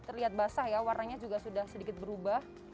terlihat basah warnanya juga sedikit berubah